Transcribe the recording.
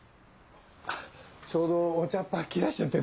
ちょうどお茶っぱ切らしちゃってて。